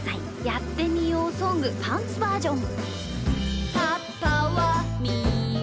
「やってみようソングパンツバージョン」。